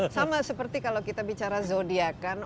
sama seperti kalau kita bicara zodiakan